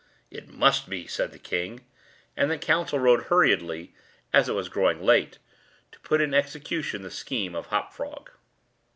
"It must be," said the king: and the council arose hurriedly (as it was growing late), to put in execution the scheme of Hop Frog.